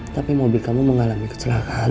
tapi mobil kamu mengalami kecelakaan